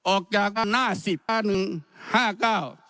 ออกจาก